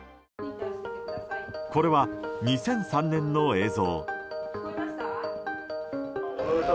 これは２００３年の映像。